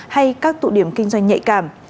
hay các tụ điểm kinh doanh nhạy cảm